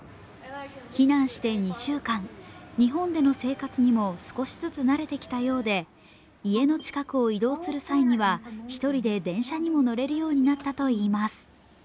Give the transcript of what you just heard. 避難して２週間、日本での生活にも少しずつ慣れてきたようで、家の近くを移動する際には一人で電車にも乗れるようになったといいます。